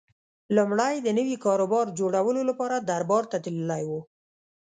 لومړی د نوي کاروبار جوړولو لپاره دربار ته تللی و